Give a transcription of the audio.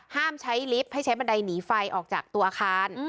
ห้ามใช้ลิฟต์ให้ใช้บันไดหนีไฟออกจากตัวอาคาร